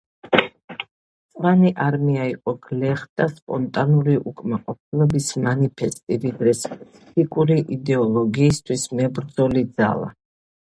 მწვანე არმია იყო გლეხთა სპონტანური უკმაყოფილების მანიფესტი ვიდრე სპეციფიკური იდეოლოგიისთვის მებრძოლი ძალა.